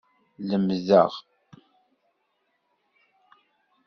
Lemdeɣ.